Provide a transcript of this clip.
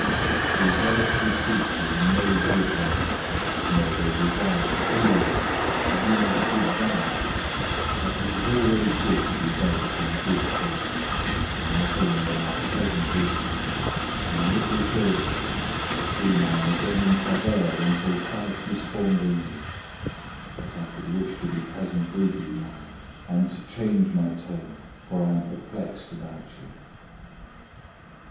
004:017 They zealously seek you in no good way. No, they desire to alienate you, that you may seek them. 004:018 But it is always good to be zealous in a good cause, and not only when I am present with you. 004:019 My little children, of whom I am again in travail until Christ is formed in you 004:020 but I could wish to be present with you now, and to change my tone, for I am perplexed about you.